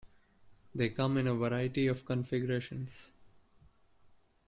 They come in a variety of configurations.